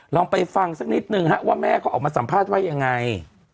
ลองไปฟังสักนิดนึงว่าแม่เขาออกมาสัมภาษณ์ว่ายังไง